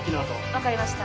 わかりました。